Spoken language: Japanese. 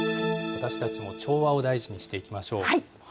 私たちも調和を大事にしていきましょう。